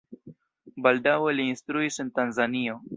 Baldaŭe li instruis en Tanzanio.